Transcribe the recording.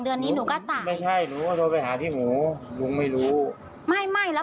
อยู่ดีมางัดกันแบบนี้ได้ด้วยเหรอคะไปดูคลิปกันหน่อยนะคะ